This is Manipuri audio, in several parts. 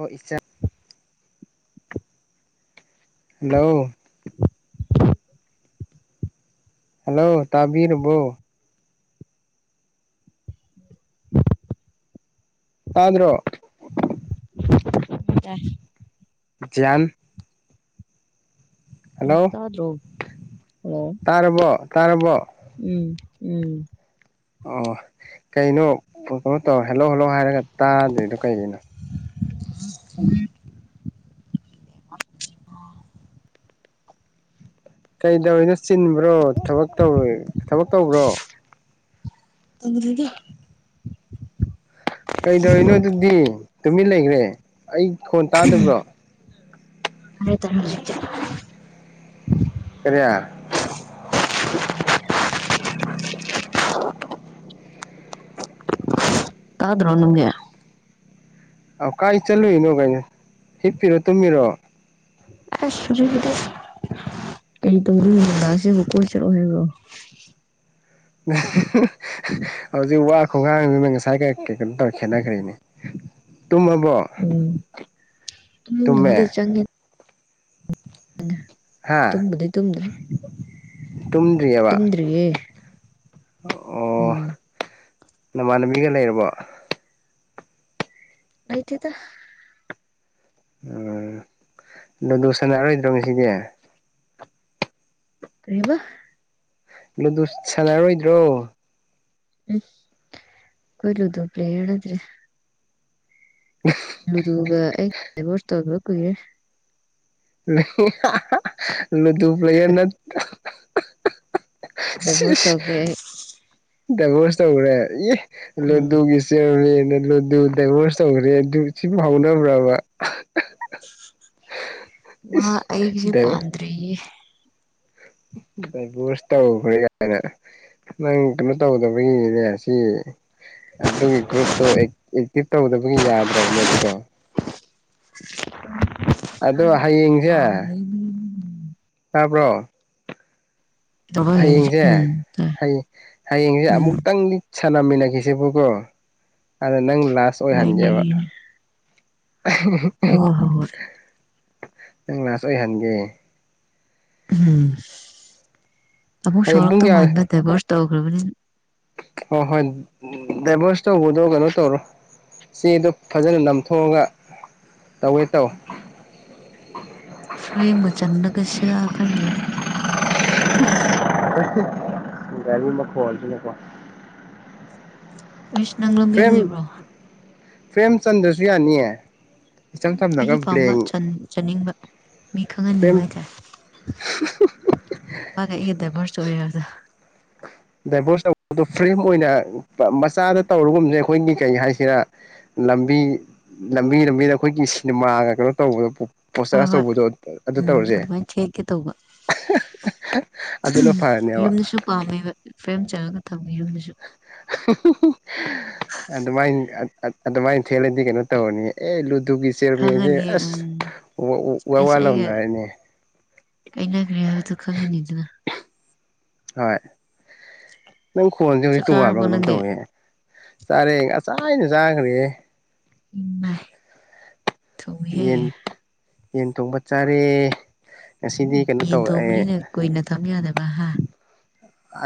ꯍꯣꯏ ꯏꯆꯟ ꯍꯜꯂꯣ ꯍꯜꯂꯣ ꯇꯥꯕꯤꯔꯕꯣ ꯇꯥꯗꯔꯣ ꯇꯥꯏ ꯭ꯖꯌꯥꯟ ꯍꯜꯂꯣ ꯇꯥꯗ꯭ꯔꯣ ꯍꯜꯂꯣ ꯇꯥꯔꯕꯣ ꯇꯥꯔꯕꯣ ꯎꯝ ꯎꯝ ꯑꯣ ꯀꯩꯅꯣ ꯀꯩꯅꯣ ꯐꯣꯟ ꯄꯪꯇꯧꯇꯧꯔ ꯍꯦꯜꯂꯣ ꯍꯦꯜꯂꯧ ꯍꯥꯏꯔꯒ ꯇꯥꯗ꯭ꯔꯤꯗꯣ ꯀꯩꯒꯤꯅꯣ ꯑ [inaudible] ꯀꯩꯗꯧꯔꯤꯅꯣ ꯆꯤꯟꯕ꯭ꯔꯣ ꯊꯕꯛ ꯊꯕꯛ ꯇꯧꯕ꯭ꯔꯣ [unintelligible] ꯀꯩꯗꯧꯅꯣ ꯑꯗꯨꯗꯤ ꯇꯨꯃꯤꯟ ꯂꯩꯈ꯭ꯔꯦ ꯑꯩ ꯐꯣꯟ ꯇꯥꯗꯕ꯭ꯔꯣ ꯇꯔꯦ ꯇꯔꯦ ꯍꯧꯖꯤꯛꯇꯤ ꯀꯔꯤ ꯇꯗꯔꯣ ꯅꯪꯗꯤ ꯑ ꯀꯥꯏ ꯆꯠꯂꯨꯏꯅꯣ ꯀꯩꯅꯣ ꯍꯤꯞꯄꯤꯔꯣ ꯇꯨꯝꯕꯤꯔꯣ ꯑꯁ ꯀꯩꯕꯇꯧꯗꯨꯏꯅꯣ ꯅꯨꯡꯗꯥꯡꯁꯤꯗ ꯀꯣꯏ ꯆꯠꯂꯣ ꯍꯥꯏꯕꯣ ꯍꯧꯖꯤꯛ ꯋꯥ ꯈꯣꯡꯒꯥꯡꯗꯨꯅ ꯉꯁꯥꯏ ꯀꯣ ꯇꯧ ꯈꯦꯠꯅꯈ꯭ꯔꯦꯅꯦ ꯇꯨꯝ ꯎꯝ ꯎꯝ ꯇꯨꯝꯃꯦ ꯃꯗꯤ ꯆꯪꯒꯦ ꯍꯥ ꯇꯨꯝꯕꯗꯤ ꯇꯨꯝꯗ꯭ꯔꯤ ꯇꯨꯝꯗ꯭ꯔꯤꯕ ꯇꯨꯝꯗ꯭ꯔꯤꯌꯦ ꯎꯝ ꯅꯃꯥꯟꯅꯕꯤꯒ ꯂꯩꯔꯕꯣ ꯂꯩꯇꯦꯗ ꯎꯝ ꯂꯥꯗꯨ ꯁꯅꯥꯔꯣꯏꯗ꯭ꯔꯣ ꯉꯥꯁꯤꯗꯤ ꯀꯩꯕ ꯂꯥꯗꯨ ꯁꯥꯟꯅꯔꯣꯏꯗ꯭ꯔꯣ ꯎꯝ ꯑꯩꯈꯣꯏ ꯂꯥꯗꯨ ꯄ꯭ꯔꯦꯌꯔ ꯅꯠꯇꯔ꯭ꯦ ꯂꯨꯗꯨꯒ ꯑꯩ ꯗꯥꯏꯕꯣꯁ ꯇꯧꯒꯤꯕ ꯀꯨꯏꯔꯦ [unintelligible] ꯂꯨꯗꯨ ꯄ꯭ꯂꯦꯌꯔ ꯅ ꯗꯥꯏꯕꯣꯁ ꯇꯧꯔꯦ ꯑꯩ ꯗꯥꯏꯕꯣꯁ ꯇꯧꯔꯦ ꯏ ꯎꯝ ꯂꯥꯗꯨꯒꯤ ꯆꯦꯌꯔꯃꯦꯟꯠꯅꯦ ꯗꯥꯏꯕꯣꯁ ꯇꯧꯈ꯭ꯔꯦ ꯑꯗꯨ ꯁꯤꯕꯨ ꯐꯥꯎꯅꯕ꯭ꯔꯕ ꯃꯥ ꯏꯁ ꯑꯩꯒꯤꯁꯦ ꯄꯥꯟꯗ꯭ꯔꯦꯌꯦ ꯗꯥꯏꯕ꯭ꯔꯣꯁ ꯇꯧꯈ꯭ꯔꯦ ꯀꯥꯏꯅ ꯅꯪ ꯀꯩꯅꯣ ꯇꯧꯗꯕꯒꯤꯅꯦ ꯁꯤ ꯑꯗꯨꯒꯤ ꯒ꯭ꯔꯨꯞꯇꯣ ꯑꯦꯛꯇꯤꯚ ꯇꯧꯗꯕꯒꯤ ꯌꯥꯗ꯭ꯔꯕꯅꯦ ꯑꯗꯨꯗꯣ ꯑꯗꯣ ꯍꯌꯦꯡꯁꯦ ꯄꯥꯝꯗꯦꯕꯒꯤ ꯇꯥꯕ꯭ꯔꯣ ꯍꯌꯦꯡꯁꯦ ꯎꯝ ꯇꯧꯕ ꯍꯌꯦꯡꯁꯦ ꯎꯝ ꯑꯃꯨꯛꯇꯪꯗꯤ ꯁꯅꯥꯃꯤꯅꯥꯈꯤꯁꯦꯕꯣꯒꯣ ꯑꯗꯥ ꯅꯪ ꯂꯥꯁ ꯍꯥꯏꯅꯤ ꯑꯣꯏꯍꯟꯒꯦꯕ [unintelligible] ꯑꯣ ꯍꯣ ꯍꯣꯏ ꯅꯪ ꯂꯥꯁ ꯑꯣꯏꯍꯟꯒꯦ ꯎꯝ ꯑꯃꯨꯛ ꯍꯌꯦꯡ ꯄꯨꯡ ꯁꯔꯛꯇꯧ ꯀꯌꯥ ꯃꯥꯟꯕ ꯗꯥꯏꯕꯚꯣꯔꯁ ꯇꯧꯈ꯭ꯔꯕꯅꯤ ꯍꯣꯏ ꯍꯣꯏ ꯗꯥꯏꯚꯣꯔꯁ ꯇꯧꯕꯗꯣ ꯀꯩꯅꯣ ꯇꯧꯔꯣ ꯆꯦꯗꯣ ꯐꯖꯅ ꯅꯥꯝꯊꯣꯛꯑꯒ ꯇꯧꯋꯦ ꯇꯧ ꯐ꯭ꯔꯦꯝꯒ ꯆꯟꯗꯒꯁꯤꯔ ꯈꯜꯂꯤꯕꯅꯦ ꯒꯥꯔꯤ ꯃꯈꯣꯟꯜꯁꯤꯅꯦꯀꯣ ꯏꯁ ꯅꯪ ꯂꯝꯕꯤꯗ ꯂꯩꯕ꯭ꯔꯣ ꯐ꯭ꯔꯦꯝꯆꯟꯗ꯭ꯔꯁꯨ ꯌꯥꯅꯤꯌꯦ ꯏꯆꯝ ꯑꯩꯁꯦ ꯆꯝꯅꯒ ꯄꯥꯝꯕ ꯕ꯭ꯂꯦꯡ ꯆꯥꯅꯤꯡꯕ ꯃꯤ ꯈꯪꯍꯟꯅꯤꯡꯕ ꯐ꯭ꯔꯦꯝ ꯍꯥꯏꯇꯥꯔꯦ ꯃꯥꯒꯤ ꯑꯩꯑ ꯑꯩꯒꯥ ꯗꯥꯏꯚꯣꯔꯁ ꯇꯧꯔꯦ ꯍꯥꯏꯕꯗꯣ ꯗꯥꯏꯚꯣꯔꯁ ꯇꯧꯕ ꯐ꯭ꯔꯦꯝ ꯑꯣꯏꯅ ꯃꯆꯥꯗ ꯇꯧꯔꯨꯒꯨꯝꯁꯦ ꯑꯩꯈꯣꯏꯒꯤ ꯀꯩ ꯍꯥꯏꯁꯤꯔ ꯂꯝꯕꯤ ꯂꯝꯕꯤ ꯂꯝꯕꯤꯗ ꯑꯩꯈꯣꯏꯒꯤ ꯁꯤꯅꯦꯃꯥꯒ ꯀꯩꯅꯣ ꯇꯧꯕꯗ ꯍꯣꯏ ꯍꯣꯏ ꯎꯝ ꯑꯗꯨꯃꯥꯏꯅ ꯊꯦꯛꯀꯦ ꯇꯧꯕ ꯑꯗꯨꯅ ꯐꯔꯅꯦꯕ ꯌꯨꯝꯗꯁꯨ ꯄꯥꯝꯃꯦꯕ ꯐꯔꯦꯝ ꯆꯪꯉꯒ ꯊꯝꯕ ꯑꯗꯨꯃꯥꯏ ꯑꯗꯨ ꯃꯥꯥꯏꯅ ꯊꯦꯂꯗꯤ ꯀꯩꯅꯣ ꯇꯧꯔꯅꯤ ꯑꯦ ꯑꯗꯨꯒꯤ ꯆꯤꯌꯥꯔꯃꯦꯟꯁꯦ ꯈꯪꯉꯅꯤ ꯑꯁ ꯎꯝ ꯋꯥ ꯋꯥ ꯂꯧꯎꯅꯔꯅꯤ ꯀꯩꯅꯈ꯭ꯔꯦ ꯍꯥꯏꯕꯗꯨ ꯈꯪꯉꯅꯤꯗꯅ ꯍꯣꯏ ꯅꯪ ꯈꯣꯟꯁꯦ ꯍꯧꯖꯤꯛ ꯆꯥꯛ ꯆꯥꯔꯕꯣ ꯇꯣꯡꯉꯑꯕ꯭ꯔꯥ ꯀꯩꯅꯣꯝ ꯅꯪꯗꯤ ꯇꯧꯋꯦ ꯆꯥꯔꯦ ꯉꯁꯥꯏꯅ ꯆꯥꯈ꯭ꯔꯦ ꯏꯃꯥꯏ ꯊꯨꯏꯍꯦ ꯌꯦꯟ ꯌꯦꯟ ꯊꯣꯡꯕ ꯆꯥꯔꯦ ꯉꯁꯤꯗꯤ ꯀꯩꯅꯣ ꯌꯦꯟ ꯇꯧ ꯊꯣꯡꯕꯅꯤꯅ ꯀꯨꯏꯅ ꯊꯝꯌꯥꯗꯕ ꯍꯥ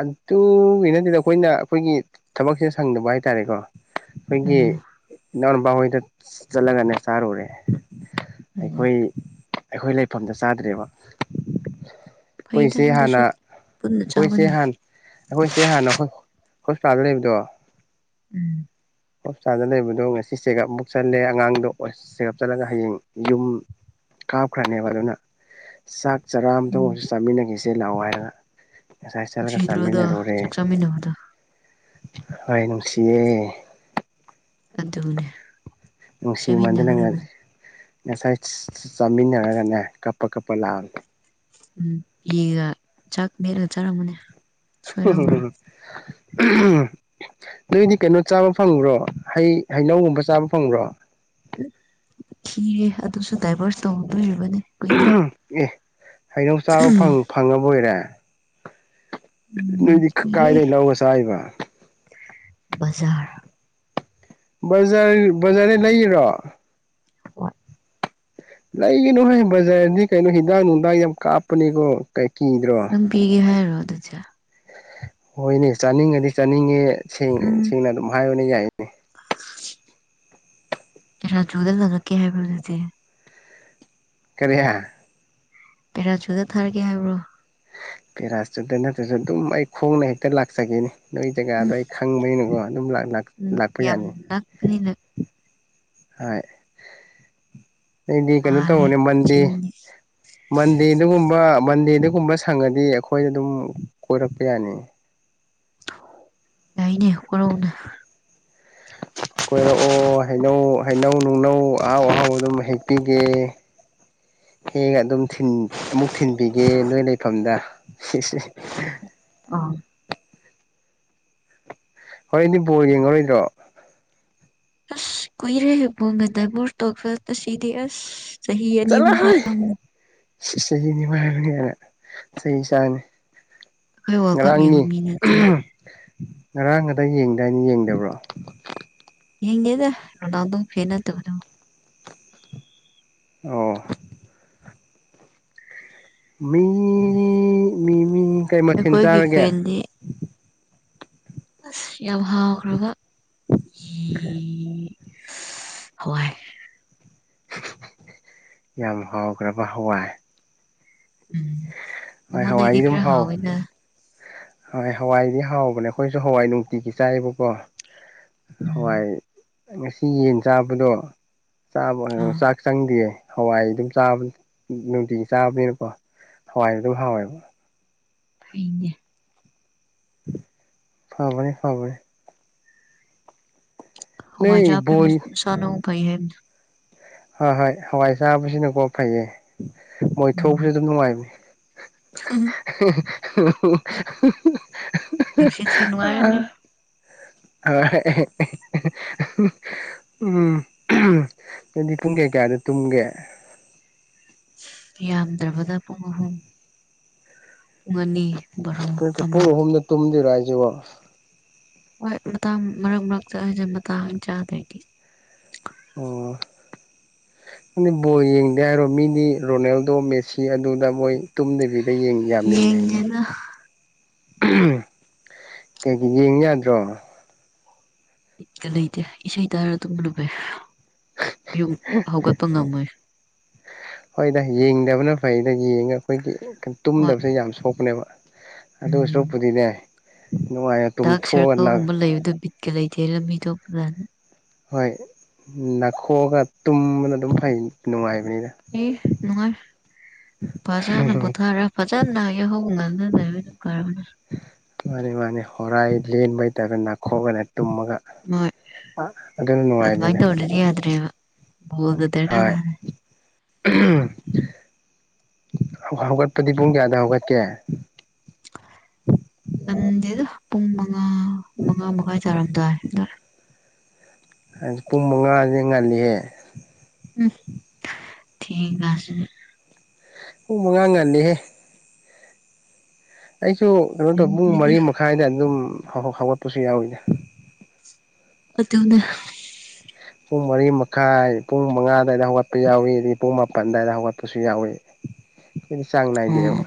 ꯑꯗꯨꯒꯤ ꯅꯠꯇꯗ ꯑꯩꯈꯣꯏꯅ ꯑꯩꯈꯣꯏꯒꯤ ꯊꯕꯛꯁꯤ ꯁꯪꯗꯕ ꯍꯥꯏꯇꯥꯔꯦꯀꯣ ꯑꯩꯈꯣꯏꯒꯤ ꯎꯝ [unintelligible] ꯕꯍꯣꯏꯗ ꯆꯠꯂꯒꯅꯦ ꯆꯥꯔꯨꯔꯦ ꯎꯝ ꯑꯩꯈꯣꯏ ꯑꯩꯈꯣꯏ ꯂꯩꯐꯝꯗ ꯆꯥꯗ꯭ꯔꯦꯕ ꯐꯩꯗ ꯑꯩꯈꯣꯏꯁꯦ ꯑꯗꯨꯁꯨ ꯍꯥꯟꯅ ꯄꯨꯅ ꯆꯥ ꯑꯩꯈꯣꯏꯁꯦ ꯍꯥꯟ ꯑꯩꯈꯣꯏꯁꯦ ꯍꯥꯟꯅ ꯑꯩꯈꯣꯏ ꯍꯣꯁꯄꯤꯇꯥꯜꯗ ꯂꯩꯕꯗꯣ ꯎꯝ ꯍꯣꯁꯄꯤꯇꯥꯜꯗ ꯂꯩꯕꯗꯣ ꯉꯁꯤ ꯆꯦꯒꯞ ꯑꯃꯨꯛ ꯆꯜꯂꯦ ꯑꯉꯥꯡꯗꯣ ꯆꯦꯒꯞ ꯆꯠꯂꯒ ꯍꯌꯦꯡ ꯌꯨꯝ ꯀꯥꯞꯈ꯭ꯔꯅꯦꯕ ꯑꯗꯨꯅ ꯆꯥꯛ ꯆꯔꯥ ꯑꯃꯇꯪ ꯎꯝ ꯑꯣꯏꯔꯁꯨ ꯆꯥꯃꯤꯟꯅꯉꯤꯁꯦ ꯆ ꯂꯉꯥꯏꯗ ꯅꯨꯡꯁꯤꯗ꯭ꯔꯣꯗꯣ ꯆꯥꯛ ꯆꯥꯃꯤꯟꯅꯕꯗꯣ ꯍ ꯅꯨꯡꯁꯤꯌ‌ꯦ ꯑꯗꯨ ꯑꯗꯨꯗꯝꯅꯦ ꯅꯨꯡꯁꯤꯃꯗ ꯅꯪꯉꯁꯦ ꯉꯁꯥꯏ ꯆꯥꯃꯤꯟꯅꯔꯒꯅꯦ ꯀꯞꯄ ꯀꯞꯄ ꯂꯥꯛꯑꯅꯤ ꯎꯝ ꯏꯒ ꯆꯥꯛ ꯃ‌ꯦꯠꯂ ꯆꯥꯔꯝꯅꯤ [unintelligible] ꯅꯣꯏꯗꯤ ꯀꯩꯅꯣ ꯆꯥꯕ ꯐꯪꯕ꯭ꯔꯣ ꯍꯩ ꯍꯩꯅꯧ ꯒꯨꯝꯕ ꯆꯥꯕ ꯐꯪꯕ꯭ꯔꯣ ꯊꯤꯔꯦ ꯑꯗꯨꯁꯨ ꯗꯥꯏꯚꯔꯁ ꯇꯧꯗꯣꯏ ꯑꯗꯩ ꯀꯨꯏꯗ꯭ꯔ‌ꯦ ꯑꯦ ꯍꯩꯅꯧ ꯆꯥꯕ ꯐꯪꯉꯕ ꯑꯣꯏꯔꯦ ꯎꯝ ꯅꯣꯏꯗꯤ ꯀꯨꯏꯔꯦ ꯀꯥꯏꯗꯒꯤꯩ ꯂꯧꯒꯁ ꯍꯥꯏꯕ ꯕꯖꯥꯔ ꯕꯖꯥꯔ ꯕꯖꯥꯔꯗꯩ ꯂꯩꯔꯣ ꯍꯣꯏ ꯂꯩꯒꯤꯅꯨ ꯍꯣꯏ ꯕꯖꯥꯔꯗꯤ ꯀꯩꯅꯣ ꯍꯤꯗꯥꯛ ꯅꯨꯡꯗꯥꯡ ꯌꯥꯝ ꯀꯥꯞꯄꯅꯤꯀꯣ ꯀꯩ ꯀꯤꯗ꯭ꯔꯣ ꯅꯪ ꯄꯤꯒꯦ ꯍꯥꯏꯔꯣ ꯄꯥꯖꯥ ꯍꯣꯏꯅꯦ ꯆꯥꯅꯤꯡꯉꯗꯤ ꯆꯥꯅꯤꯡꯉꯦ ꯎꯝ ꯁꯦꯡꯅ ꯑꯗꯨꯝ ꯍꯥꯏꯥꯏ ꯌꯥ [inaudible] ꯔꯥꯖꯨꯗ ꯐꯉꯛꯀꯦ ꯍꯥꯏꯕꯗꯨꯗꯤꯦ ꯀꯔꯤꯍꯥ ꯄꯦꯔꯥꯁꯨꯗꯇ ꯊꯔꯒꯦ ꯍꯥꯏꯕ꯭ꯔꯣ ꯄꯦꯔꯥꯁꯇꯨꯗ ꯅꯠꯇ꯭ꯔꯁꯨ ꯑꯗꯨꯝ ꯑꯩ ꯈꯣꯡꯅ ꯍꯦꯛꯇ ꯂꯥꯛꯆꯒꯦꯅꯤ ꯅꯣꯏꯒꯤ ꯖꯒꯥꯗꯣ ꯎꯝ ꯑꯩ ꯈꯪꯕꯒꯤꯅꯀꯣ ꯑꯗꯨꯝ ꯂ ꯎꯝ ꯌꯥꯝ ꯅꯛꯄꯅꯤ ꯍꯣꯏ ꯑꯩꯗꯤ ꯀꯩꯅꯣ ꯃꯥꯜꯂꯦ ꯇꯧꯕꯅꯦ ꯃꯟꯗꯦ ꯆꯤꯟꯅꯤ ꯃꯟꯗꯦ ꯑꯗꯨꯒꯨꯝꯕ ꯃꯟꯗꯦ ꯑꯗꯨꯒꯨꯝꯕ ꯁꯪꯉꯗꯤ ꯑꯩꯈꯣꯏ ꯑꯗꯨꯝ ꯀꯣꯏꯔꯛꯄ ꯌꯥꯅꯤ ꯌꯥꯏꯅꯦ ꯀꯔꯧꯅ ꯀꯣꯏꯔꯛꯑꯣ ꯍꯩꯅꯧ ꯍꯩꯅꯧ ꯅꯨꯡꯅꯧ ꯑꯍꯥꯎ ꯑꯍꯥꯎꯕ ꯑꯗꯨꯝ ꯍꯦꯛꯄꯤꯒꯦ ꯍꯦꯛꯑ ꯑꯗꯨꯝ ꯑꯃꯨꯛ ꯊꯤꯟꯕꯤꯒꯦ ꯅꯣꯏ ꯂꯩꯐꯝꯗ ꯁꯤꯁꯤꯁ ꯑꯥ ꯍꯨꯔꯦꯟꯗꯤ ꯕꯣꯜ ꯌꯦꯡꯉꯥꯔꯣꯏꯗ꯭ꯔꯣ ꯑꯁ ꯀꯨꯏꯔꯦꯍꯦ ꯕꯣꯜꯒ ꯗꯥꯏꯕꯣꯁ ꯇꯧꯈꯤꯕ ꯑꯁꯤꯗꯤ ꯑꯁ ꯁꯍꯤ ꯑꯅꯤ ꯑꯍꯨꯝ ꯆꯠꯂꯣꯍꯩ ꯐꯔꯝꯃꯅꯤ ꯆꯍꯤ ꯑꯅꯤ ꯐꯔꯝꯃꯅꯤ ꯀꯥꯏꯅ ꯆꯩ ꯆꯥꯅꯤ ꯑꯩꯈꯣꯏ ꯋꯥꯀꯝ ꯌꯦꯡꯉ ꯉꯔꯥꯡꯅꯤ ꯃꯤ ꯅꯠꯇꯦ ꯉꯔꯥꯡ ꯉꯗꯥ ꯌꯦꯡꯗꯥꯏꯅ ꯌꯦꯡꯗꯕ꯭ꯔꯣ ꯌꯦꯡꯗꯦꯗ ꯔꯣꯅꯥꯜꯗꯣꯒꯤ ꯐꯦꯟ ꯅꯥꯠꯇꯕꯗꯨꯕꯨ ꯑꯣ ꯃꯤ ꯃꯤ ꯃꯤ ꯀꯩ ꯃꯊꯦꯜ ꯑꯩꯈꯣꯏꯒꯤ ꯆꯥꯔꯒꯦ ꯐꯦꯟꯗꯤ ꯑꯁ ꯌꯥꯕ ꯍ꯭ꯔꯒ ꯎꯝ ꯍꯣꯏ ꯌꯥꯝ ꯍꯥꯎꯈ꯭ꯔꯕ ꯍꯋꯥꯏ ꯎꯝ ꯍꯣꯏ ꯅꯉꯣꯟꯗ ꯍꯋꯥꯏꯗꯤ ꯑꯩꯗꯤ ꯑꯗꯨꯝ ꯈꯔ ꯍꯥꯎ ꯍꯥꯎꯋꯦꯅꯦ ꯍꯣꯏ ꯍꯋꯥꯏꯗꯤ ꯍꯥꯎꯕꯅꯦ ꯑꯩꯈꯣꯏꯁꯨ ꯍꯋꯥꯏ ꯅꯨꯡꯇꯤꯒꯤ ꯆꯥꯏꯕꯀꯣ ꯍꯣꯏ ꯎꯝ ꯉꯁꯤ ꯌꯦꯟ ꯆꯥꯕꯗꯣ ꯆꯥꯕ ꯑꯥ ꯆꯥꯛ ꯆꯪꯗꯤꯑ ꯍꯋꯥꯏ ꯑꯗꯨꯝ ꯆꯥꯕ ꯅꯨꯡꯇꯤꯒꯤ ꯆꯥꯕꯅꯤꯅꯀꯣ ꯍꯋꯥꯏꯁꯨ ꯑꯗꯨꯝ ꯍꯥꯎꯋꯦꯕ ꯑꯩꯅꯦ ꯐꯕꯅꯦ ꯐꯕꯅꯦ ꯍꯋꯥꯏ ꯅꯣꯏ ꯕꯣꯏ ꯆꯕꯥꯖꯦ ꯀꯩꯍꯦ ꯍꯣꯏ ꯍꯣꯏ ꯍꯋꯥꯏ ꯆꯥꯕꯁꯤꯅꯀꯣ ꯐꯩꯌꯦ ꯃꯣꯏ ꯊꯣꯛꯎꯄꯁꯨ ꯎꯝ ꯑꯗꯨꯝ ꯅꯨꯡꯉꯥꯏꯕꯅꯤ ꯎ ꯎ ꯅꯨꯡꯁꯤꯠꯁꯨ ꯅꯨꯡꯉꯥꯏꯔꯅꯤ ꯎꯝ ꯑꯗꯨꯗꯤ ꯄꯨꯡ ꯀꯌꯥ ꯀꯌꯥꯗ ꯇꯨꯝꯒꯦ ꯌꯥꯝꯗ꯭ꯔꯕꯗ ꯑ ꯍ ꯄꯨꯡ ꯑꯅꯤ ꯕꯥꯔꯣ ꯑꯃ ꯔꯖꯕ ꯍꯣꯏ ꯃꯇꯥꯡ ꯃꯔꯛ ꯃꯔꯛꯇ ꯑꯩꯁꯦ ꯃꯇꯥꯡ ꯆꯥꯗꯣꯏꯗꯤ ꯑꯣ ꯑꯗꯨꯗꯤ ꯕꯣ ꯌꯦꯡꯗꯦ ꯍꯥꯏꯔꯣ ꯃꯤꯗꯤ ꯔꯣꯅꯦꯜꯗꯣ ꯃꯦꯁꯤ ꯑꯗꯨꯗ ꯃꯣꯏ ꯇꯨꯝꯗꯕꯤꯗ ꯁꯤ ꯌꯦꯡ ꯌꯥꯝ ꯌꯦꯡꯅꯩ ꯑꯅꯦ ꯌꯦꯡꯗꯦꯅ ꯀꯩꯒꯤ ꯌꯦꯡ ꯌꯥꯗ꯭ꯔꯣ ꯀꯔꯤꯗ ꯏꯁꯩ ꯇꯥꯔ ꯇꯨꯝꯕꯅꯥ ꯐꯩ ꯌꯨꯝ ꯍꯧꯒꯠꯄ ꯉꯝꯃꯣꯏ ꯍꯣꯏꯗ ꯌꯦꯡꯗꯕꯅ ꯐꯩꯗ ꯌꯦꯡꯉ ꯑꯩꯈꯣꯏꯒꯤ ꯍꯣꯏ ꯇꯨꯝꯗꯕꯁꯦ ꯌꯥꯝꯅ ꯁꯣꯛꯄꯅꯦꯕ ꯑꯗꯨꯁꯨ ꯎꯝ ꯄꯨꯗꯤꯅꯦ ꯗꯥꯛ ꯁꯥꯔꯀꯜꯒꯨꯝꯕ ꯂꯩꯕꯗꯣ ꯕꯤꯠꯀ ꯂꯩꯇꯦ ꯂꯝꯕꯤꯗꯣ ꯑꯗꯨꯅꯦ ꯍꯣꯏ ꯅꯥꯊꯣꯛꯑꯒ ꯇꯨꯝꯕꯅ ꯑꯗꯨꯝ ꯐꯩ ꯅꯨꯡꯉꯥꯏꯕ ꯍ ꯅꯨꯡꯉꯥꯏ ꯐꯖꯟꯅ ꯄꯣꯊꯔ ꯐꯖꯟꯅ ꯌꯥꯍꯧ ꯉꯟꯕꯅ ꯐꯥꯕꯅꯦ ꯃꯅꯦ ꯃꯅꯦ ꯍꯣꯔꯥꯏ ꯂꯦꯟꯕ ꯅꯥꯠꯇ ꯅꯈꯣꯕ ꯇꯨꯝꯃꯒ ꯃꯣꯏ ꯑꯥ ꯑꯗꯨꯅ ꯑꯗꯨꯃꯥꯏꯅ ꯅꯨꯡꯉꯥꯏꯅꯤꯅꯦ ꯇꯧꯗ꯭ꯔꯗꯤ ꯌꯥꯗ꯭ꯔꯦꯕ [unintelligible] ꯍꯧꯒꯠꯄꯗꯤ ꯄꯨꯡ ꯀꯌꯥꯗ ꯍꯧꯒꯠꯀꯦ ꯉꯝꯗꯦꯗ ꯄꯨꯡ ꯃ ꯃꯉꯥ ꯃꯉꯥ ꯃꯈꯥꯏ ꯇꯔꯝꯗꯥꯏ ꯑ ꯍꯥꯏ ꯄꯨꯡ ꯃꯉꯥꯁꯦ ꯉꯜꯂꯤꯍꯦ ꯎꯝ ꯊꯦꯡꯉꯥꯁꯦ ꯄꯨꯡ ꯃꯉꯥ ꯉꯥꯂꯤꯍꯦ ꯑꯩꯁꯨ ꯀꯩꯅꯣ ꯇꯧꯋ ꯄꯨꯡ ꯃꯔꯤ ꯉꯝꯗꯦꯗ ꯃꯈꯥꯏꯗ ꯑꯗꯨꯝ ꯍꯧꯒꯠꯄꯁꯨ ꯌꯥꯎꯏꯗ ꯑꯗꯨꯅ ꯄꯨꯡ ꯃꯔꯤ ꯃꯈꯥꯏ ꯄꯨꯡ ꯃꯉꯥ ꯑꯗꯨꯋꯥꯏꯗ ꯍꯧꯒꯠꯄ ꯌꯥꯎꯏꯤ ꯑꯗꯒꯤ ꯄꯨꯡ ꯃꯥꯄꯜ ꯑꯗꯨꯋꯥꯏꯗ ꯍꯧꯒꯠꯄꯁꯨ ꯌꯥꯎꯏ ꯑꯩꯈꯣꯏꯗꯤ ꯆꯥꯡꯅꯥꯏꯗꯦꯕ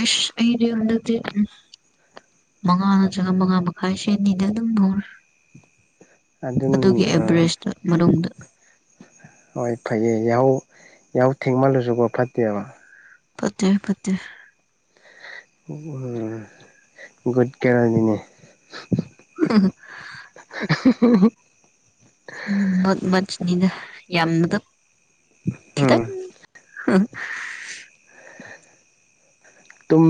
ꯑꯦꯁ ꯑꯩꯗꯤ ꯍꯟꯗꯛꯇꯤ ꯎꯝ ꯃꯉꯥ ꯅꯠꯇ꯭ꯔꯒ ꯃꯉꯥ ꯃꯈꯥꯏꯁꯦꯅꯤꯗ ꯑꯗꯨꯝ ꯍꯧꯔꯦ ꯑꯗꯨꯒꯤ ꯑꯗꯨꯅ ꯑꯦꯚꯔꯦꯁꯇ ꯃꯅꯨꯡꯗ ꯍꯣꯏ ꯐꯩꯌꯦ ꯌꯥꯍꯧ ꯌꯥꯍꯧ ꯊꯦꯡꯃꯜꯂꯨꯁꯨꯀꯣ ꯐꯠꯇꯦꯕ ꯄꯠꯇꯦ ꯄꯠꯇꯦ ꯎ ꯒꯨꯒꯔꯅꯤꯅꯦ [inaudible] ꯍ ꯍ ꯎꯝ ꯃꯠ ꯏꯗ ꯌꯥꯝꯗ ꯈꯤꯇꯡ ꯎꯝ ꯑ ꯇꯨꯝ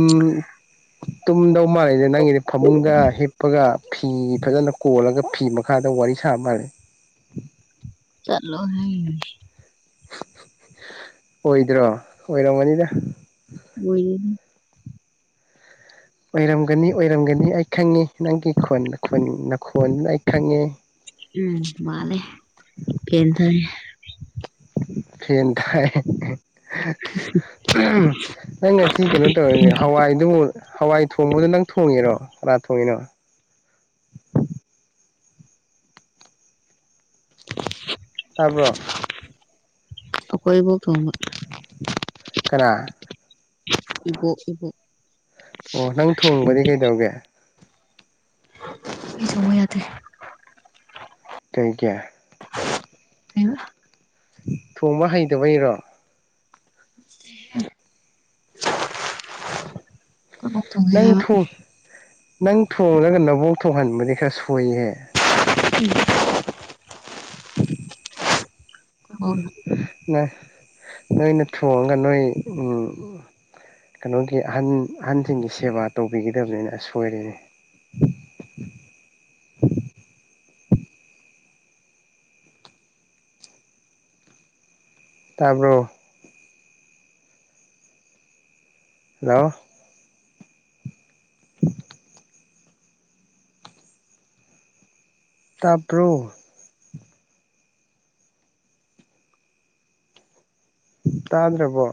ꯇꯨꯝꯗꯨꯏ ꯅꯪꯒꯤꯗꯤ ꯐꯃꯨꯡꯗ ꯍꯤꯞꯄꯒ ꯐꯤ ꯐꯖꯅ ꯀꯣꯜꯂꯒ ꯐꯤ ꯃꯈꯥꯗ ꯋꯥꯔꯤ ꯁꯥꯕ ꯃꯥꯂꯦ ꯆꯠꯂꯣꯍꯦ ꯑꯣꯏꯗ꯭ꯔꯣ ꯑꯣꯏꯔꯝ ꯃꯅꯤꯗ ꯑꯣꯏ ꯑꯣꯏꯔꯝꯒꯅꯤ ꯑꯣꯏꯔꯝꯒꯅꯤ ꯑꯩ ꯈꯪꯉꯦ ꯅꯪꯒꯤꯣꯟ ꯅꯈꯣꯟꯗꯨꯅ ꯑꯩ ꯈꯪꯉꯦ ꯎꯝ ꯃꯥꯂꯦ ꯌꯦꯟ ꯇꯔꯦ ꯐꯦꯟ ꯊꯥꯏ ꯅꯪ ꯉꯁꯤ ꯀꯩꯅꯣ ꯇꯧꯔ ꯍꯋꯥꯏꯗꯨꯕꯨ ꯍꯋꯥꯏ ꯊꯣꯡꯕꯗ ꯅꯪ ꯊꯣꯡꯉꯦꯔꯣ ꯈ ꯊꯣꯡꯉꯤꯅꯣ ꯇꯥꯔꯕ꯭ꯔ ꯀ ꯊꯣꯡ ꯀꯅꯥ ꯏꯕꯣ ꯏꯕꯣ ꯑꯣ ꯅꯪ ꯊꯣꯡꯕꯗꯤ ꯀꯩꯗꯧꯒꯦ ꯌꯥꯗꯔꯦ ꯀꯩꯒꯤ ꯀꯅ [inaudible] ꯊꯣꯡꯕ ꯍꯩꯇꯕꯩꯔꯣ [inaudible] ꯀꯣꯏꯕꯥꯎ ꯆꯣꯡꯁꯦ ꯍꯥꯏꯕ ꯅꯪ ꯊꯣꯡꯖꯒꯦ ꯅꯕ ꯊꯣꯡ ꯍꯟ ꯃꯗꯤ ꯈ ꯁꯏꯍꯦ [inaudible] ꯏꯕꯣꯛ ꯅ ꯅꯣꯏꯅ ꯊꯣꯡꯉꯒ ꯅꯣꯏ ꯀꯩꯅꯣꯒꯤ ꯑꯍꯟ ꯑꯍꯟꯁꯤꯡꯒꯤ ꯁꯦꯕꯥ ꯇꯧꯕꯤꯒꯗꯕꯅꯤꯅ ꯑꯁꯣꯏꯔꯅꯦ ꯇꯥꯔꯕꯣ ꯍꯜꯂꯣ ꯇꯥꯄ꯭ꯔꯣ ꯇꯥꯗ꯭ꯔꯕꯣ